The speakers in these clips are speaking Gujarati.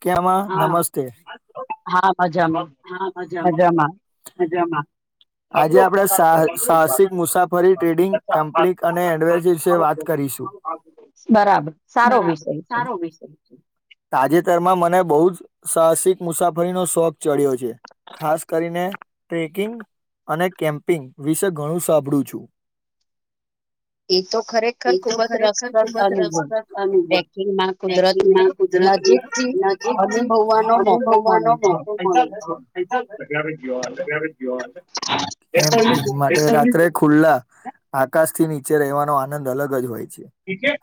ક્યામા, નમસ્તે. મજામા, મજામા. આજે આપણે સાહ સાહસિક મુસાફરી ટ્રેડિંગ કમ્પ્ની અને એડવાઈસ વિશે વાત, કરીશુ. બરાબર, સારો વિષય છે. તાજેતરમા, મને બહુ જ સાહસિક મુસાફરીનો શોખ ચડ્યો છે, ખાસ કરીને ટ્રેકિંગ અને કેમ્પિંગ, વિશે ઘણું સાંભળું છું. એ તો ખરેખર ખુબજ રસપ્રદ અનુભવ છે, ટ્રેકીંગ કુદરતની નજીકથી, અનુભવવાનો મોકો મળે છે. [unintelligible] એ માટે, રાત્રે ખુલ્લા આકાશ થી નીચે રવાનો આનદ અલગ જ હોય છે,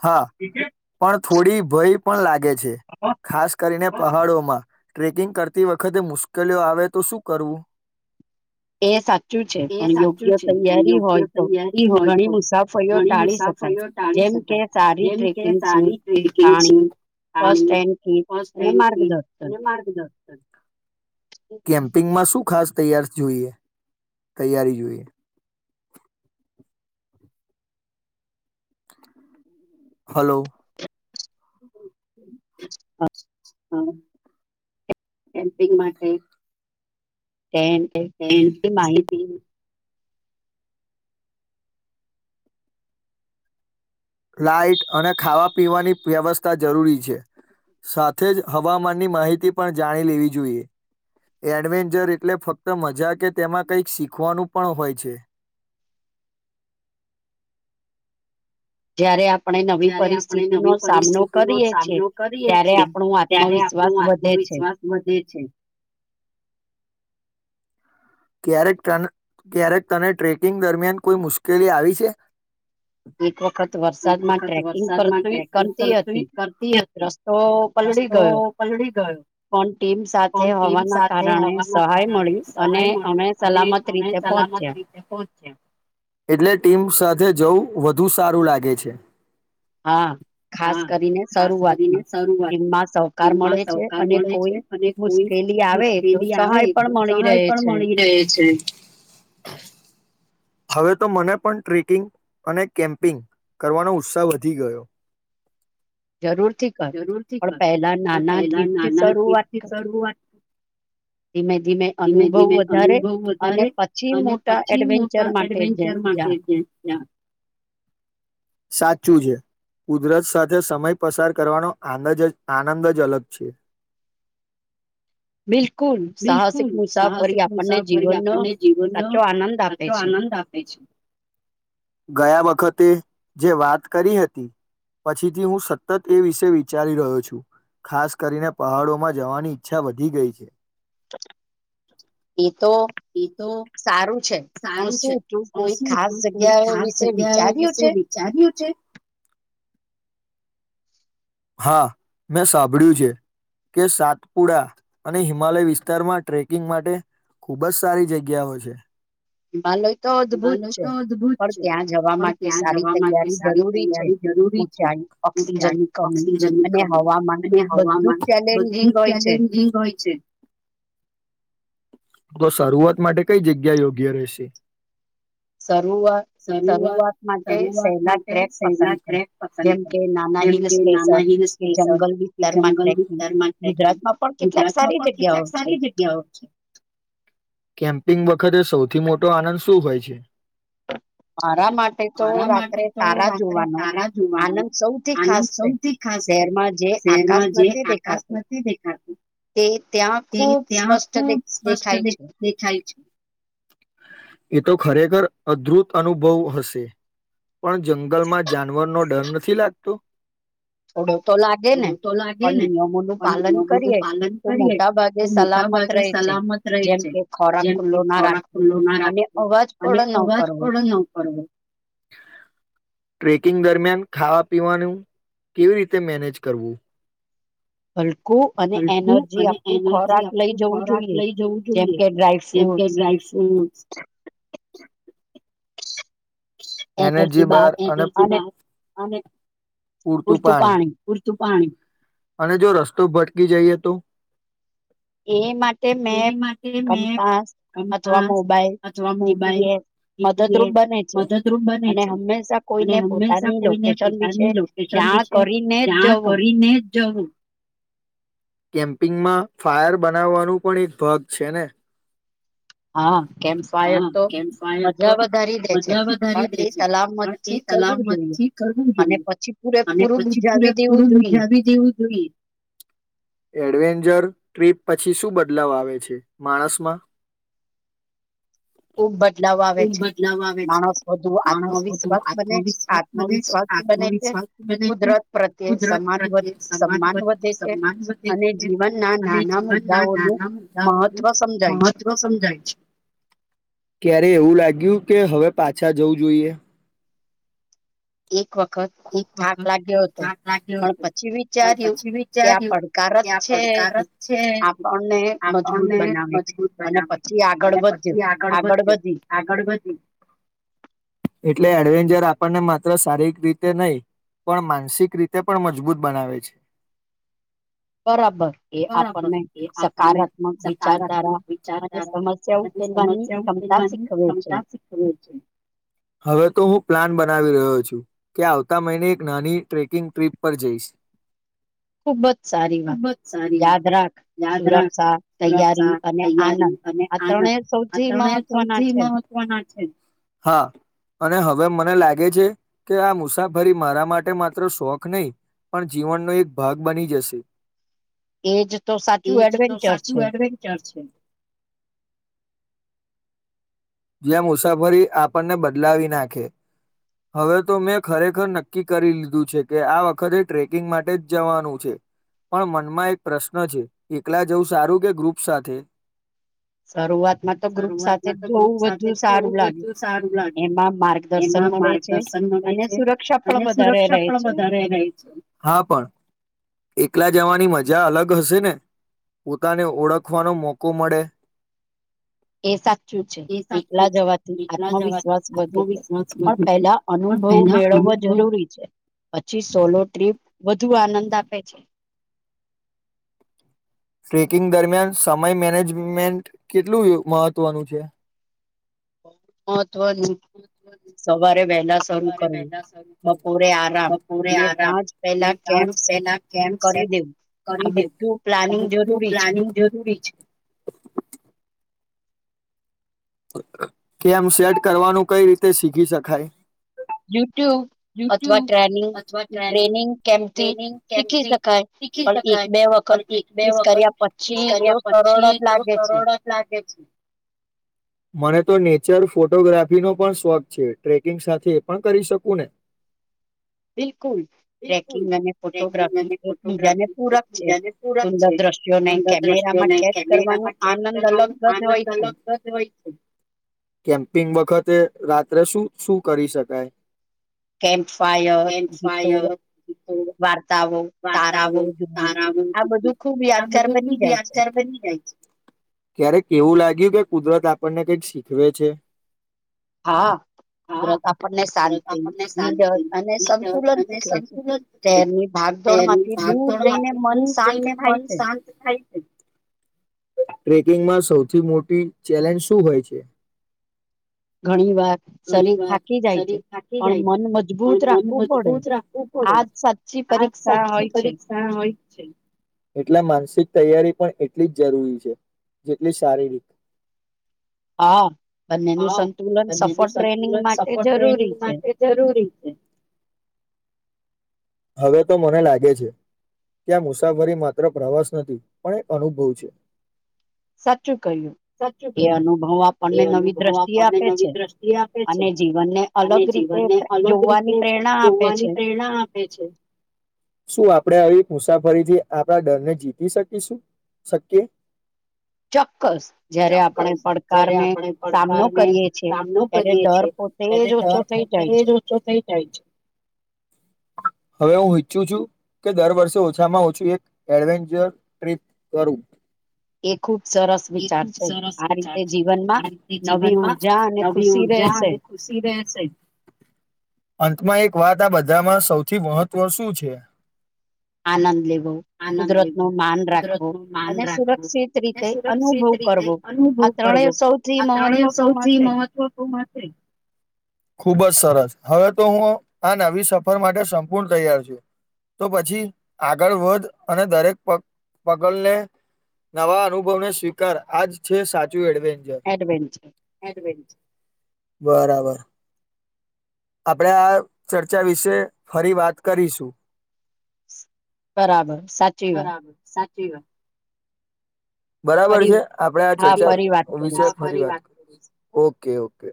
હા. પણ થોડી ભય પણ લાગે છે, ખાસ કરીને પહાડોમાં ટ્રેકિંગ કરતી વખતે વખતે મુશ્કેલીઓ, આવે તો શું કરવુ એ સાચું છે, પણ યોગ્ય તૈયારી હોય, તો ઘણી મુશ્કેલ આફતો ટાળી શકાય જેમ કે સારી ટકિંગ છે હા અને ફસ્ટ, એન્ક અને માર્ગ ધરતા કેમ્પિંગમાં શું શુ ખાસ તૈયાર જોઈએ, તૈયારી જોઈએ હલો. હા, કેમ્પિંગ માટે એ, એ માહી લાઈટ અને ખાવા પીવાની વ્યવસ્થા, જરૂરી છે. સાથે, જ હવામાનની માહિતી પણ જાણી લેવી જોઈએ એડવેન્ચર, એટલે ફક્ત મજા કે તેમાં કંઈક શીખવાનું પણ હોય છે. જયારે, આપ આપણે નવી પરિસ્થિતિ નો સામનો કરીએ, છીએ ત્યારે આપણો આત્મવિશ્વાસ વધે છે. વિશ્વાસ, વધે છે ક્યારેક, ક્યારેક તને ટ્રેકિંગ દરમિયાન કોઈ મુશ્કેલી આવી છે. એક, વખત વરસાદમાં ટ્રેકિંગ કરતી, કરતી હતી. રસ્તો, પલળી ગયો. પણ ટીમ, સાથે હોવાના કારણે, સહાય મળે અને, અમે સલામત રીતે પહોંચ્યા એટલે ટીમ સાથે જવુ. વધુ સારુ લાગે છે. હા, ખાસ કરીને, શરૂઆતમા એમાં સહકાર મળે છે. અને કોઈ મુશ્કેલી, આવે તો સહાય પણ મળી રહે એ છે હવે તો મને પણ ટ્રેકિંગ અને કેમ્પિંગ કરવાનો ઉત્સાહ વધી ગયો [inaudible] જરૂરથી કર પણ પહેલા નાના ટ્રિપથી શરૂઆત ધીમે ધીમે અનુભવ વધારે અને પછી ત એડવેન્ચર માટે છે ત્યાં સાચું છે કુદરત સાથે સમય પસાર કરવાનો આદજ આનંદ જ અલગ છે [inaudible] બિલકુલ સાહ સિકસાવ કરી આપણને જીવનનો જો આનંદ આપે છે ગયા વખતે જે વાત કરી હતી પછીથી હું સતત એ વિશે વિચારી રહ્યો છું ખાસ કરીને પહાડોમાં જવાની ઈચ્છા વધી ગઈ છે તો સારું છે પણ શું તું કોઈ ખાસ જગ્યાઓ વિશે વિચાર્યું છે વિચાર્યું છે હા મેં સાંભળ્યું છે કે સાતપુડા અને હિમાલય વિસ્તારમાં ટ્રેકિંગ માટે ખુબ જ સારી જગ્યાઓ છે હિમાલય માનો તો અદભુત છે પણ ત્યાં જવા માટે સારી તૈયારી જરૂરી છે તે બિચારી ઓક્સિજનની કમી અને હવામાન બધું જ ચેલેન્જિંગ હોય છે તો શરૂઆત માટે કઈ જગ્યા યોગ્ય રહેશે શરૂઆત શરૂઆત શરૂઆત માટે શહેરના ટ્રેક પસંદ કરે જેમ કે નાના હિલ હિલ સ્ટેશન કે જંગલ વિસ્તારમાં ગુજરાતમાં પણ કેટલાક સારી જગ્યાઓ છે કેમ્પિંગ વખતે સૌથી મોટો આનંદ શું હોય છે મારા માટે તો રાત્રે તારા જોવાનો આનંદ સૌથી ખાસ શહેરમાં જે આકાશ નથી દેખાતું તે ત્યાં ખૂબ સ્પષ્ટ દેખાય છે. એ તો ખરેખર અદ્ભુત અનુભવ હશે. પણ જંગલમાં જાનવરનો ડર નથી લાગતો. થોડું તો લાગે ને પણ નિયમો નું પાલન કરીએે તો મોટા ના ભાગે સલામત રહી છે જેમ કે ખોરાક ખુલ્લો ના રાખે અને અવાજ થોડો ન કરવો. ટ્રેકિંગ દરમિયાન ખાવા પીવાનું કેવી રીતે મેનેજ કરવું. હલકું અને એનર્જી આપતું ખોરાક લઈ જવું જોઈએ જેમ કે ડ્રાય ફ્રૂટ એનર્જી બાર અને ઉડતું પાણી ઉડતું પાણી અને જો રસ્તો ભટકી જઈએ તો. એ માટે મેપ કંપાસ અથવા મોબાઈલ જીપીએસ મદદરૂપ બને છે. અને હંમેશા કોઈને પોતાની લોકેશન વિશે જાણ કરીને જ કરીને જવું [inaudible] કેમ. કેપિંગમાં ફાયર બનાવવાનું પણ એક ભાગ છે ને. હા. હા કેમ ફાયર તો મજા વધારી દે છે પણ એ સલામત પછી કરવું જોઈએ અને પછી પૂરેપૂરું મુજાવી દેવું જોઈએ. એડવેન્ચર ટ્રીપ પછી શું બદલાવ આવે છે માણસમાં. એક બદલાવ આવે છે, માણસ વધું આત્મવિશ્વાસ બને છ આત્મવિશ્વાસ બને છે, કુદરત પ્રત્યે સમાન વધ સમાન વધે અને જીવનના નાના મુદ્દાઓનું મહત્વ સમજાય છે. ક્યારે એવું લાગ્યું કે હવે પાછા જવું જોઈએ? એક વખત ખૂબ થાક લાગ્યો હતો, પણ પછી વિચાર્યું કે આ પડકાર જ છે, આપણને મજબૂત બનાવે છે, અને પછી આગળ [unintelligible] આગળ વધી એટલે એડવેન્ચર આપણને માત્ર શારીરિક રી તે નહી, પણ માનસિક રીતે પણ મજબૂત બનાવે છે. બરાબર. એ આપણને સકારાત્મક વિચારધારા અને સ હવે તો હું પ્લાન બના બનાવી રહ્યો છું, કે આવતા મહિને એક નાની ટ્રેકિંગ ટ્રીપ પર જઈશ. ખુબ જ સારી વાત. યાદ રાખ, સુરક્ષા, તૈયારી અને અને આનંદ આ ત્રણે સૌથી મહત્વના છે. હા અને હવે મને લાગે છે કે આ મુસાફરી મારા માટે માત્ર શોખ નહી પણ જીવનનો એક ભાગ બની જશે. એજ તો સાચું એડવેન્ચર છે. એટલે મુસાફરી આપણને બદલાવી નાખે હવે તો મેં ખરેખર નક્કી કરી લીધું છે કે આ વખતે ટ્રેકિંગ માટે જ જવાનું છે. પણ મનમાં એક પ્રશ્ન છે, એકલા જવું સારું કે ગ્રુપ સાથે? શરૂઆતમાં તો ગ્રુપ સાથે જ જોવું વધ ધું સારું લાગે. એમાં માર્ગદર્શન મળે છે અને સુરક્ષા પણ વધારે ક્ષા પણ વધારે રહે છે. હા પણ એકલા જાવાની મજા અલગ હશે ને. પોતાને ઓળખવાનો મોકો મળે. એ સાચ ચું છે. એકલા જવાથી આત્મવિશ્વાસ વધે છે, પણ પેલા અનુભવ મેળવ વો જરૂરી છે. પછી સોલો ટ્રીપ વધુ આનંદ આપે છે. ટ્રેકિંગ દરમિયાન સમય મેનેજમેન્ટ કેટલું યો મહત્વનું છે? મહત્વની [inaudible] સવારે વહેલા શરૂ કરવું, બપોરે આરામ, ને સાંજ પહ હેલા કેમ સેટ કરી દેવું, આ બધું પ્લાનિંગ જરૂરી છે. [unintelligible] કેમ સેટ કરવાનું કઈ રીતે શીખી શખાય? યુટ્યુબ. અથવા ટ્રેનિંગ-ટ્રેનિંગ કેમ્પથી શીખી શકાય, પણ એક બે વખ ખત પ્રેક્ટિસ કર્યા પછી તો સરળ જ લાગે છે. [inaudible] મને તો નેચર ફોટોગ્રાફીનો પણ શોખ છે. ટ્રેકિંગ સાથે એ પણ કરી શકું ને? બિલકુલ. ટ્રેકિંગ અને ફોટોગ્રાફી એક બીજાને પૂરક છે. સુંદર દ્રશ્યોને કેમેરામાં કેચ કરવાનો આનંદ અલગ જ હોય છે. કેમ્પિંગ વખતે રાત્રે શું-શું કરી શકાય? કેમ્પ ફાયર, ગીતો, વાર્તા ઓ, તારાઓ એ બધું ખુબ યાદગાર બની જાય છે. ક્યારેક એવું લાગ્યું કે કુદરત આપણને કંઈક શીખવે છે? હા. કુદરત આપણને શાંતિ [unintelligible] અને સંતુલન શીખવે છે. શહેરની ભાગ ઘડ માંથી દૂર જઈને મન શાંત થાય છે. ટ્રેકિંગમાં સૌથી મોટી ચેલેન્જ શું હોય છે? ઘણી વાર શરીર થાકી જાય છે પણ મન મજબૂત રાખવું પડે. આ જ સાચી પરીક્ષા હોય છે એટલે માનસિક તૈયારી પણ એટલી જ જરૂરી છે જેટલી શારીરિક. હા અને એનું સંતુલન સફળ ટ્રેનિંગ માટે જરૂરી છે. [inaudible] હવે તો મને લાગે છે. ત્યાં મુસાફરી માત્ર પ્રવાસ નથી પણ એ અનુભવ છે. સાચું ક્યું. સાચું કહ્યું એ અનુભવ આપણને નવી દ્રષ્ટિ આપે છે અને જીવન બને અલગ રીતે જોવાની પ્રેરણા આપે છે. શું આપણે આવી મુસાફરીથી આપણા ડરને જીતી શકીશું? શકયે. ચોક્કસ જયારે આપણે પડકારને સામનો કરીએ છે. એને ડર પોતે એજ ઓછો થઈ જાય છે. હવે હું ઈચ્છું છું. કે દર વર્ષે ઓછામાં ઓછું એક એડવેન્ચર ટ્રીપ કરું. એ ખુબ સરસ વિચાર છે આ રીતે જીવનમાં નવી ઉ ઉર્જા અને ખુશી રહે છે. અંતમાં એક વાત બધામાં સૌથી મહત્વ શું છે? આનંદ લેવો, કુદરત નું માન રાખવું અને સુરક્ષિત રીતે અનુભવ કરવો આ ત્રણે સૌથી મહત્વપૂર્ણ છે. ખુબ જ સરસ હવે તો હું આ નવી સફર માટે સંપૂર્ણ તૈયાર છું. તો પછી આગળ વધ અને દરેક પગ પગલને નવા અનુભવને સ્વીકાર આજ છે સાચું એડવેન્ચ એડવેન્ચર બરાબર. આપણે આ ચર્ચા વિશે ફરી વાત કરીશું. બરાબર સાચી વાત. જી વા બરાબર છે આપડે આ ચર્ચા વિશે ફરી વાત કરીશું. Okay okay.